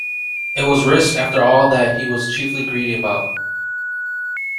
It was risks after all that he was chiefly greedy about.